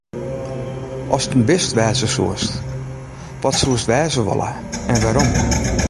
Ast in bist wêze soest, wat soest wêze wolle en wêrom?